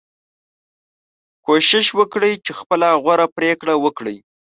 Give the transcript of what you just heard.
کوشش وکړئ چې خپله غوره پریکړه وکړئ.